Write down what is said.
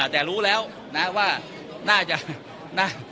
แต่รู้แล้วว่าน่าจะ